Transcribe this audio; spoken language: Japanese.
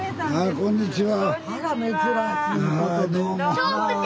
こんにちは。